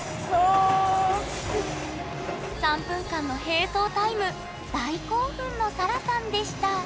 ３分間の並走タイム大興奮のさらさんでした